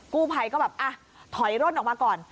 กู้ภัยก็แบบอ่ะถอยร่นออกมาก่อน